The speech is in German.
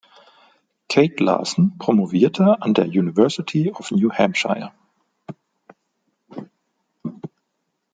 Kate Larson promovierte an der University of New Hampshire.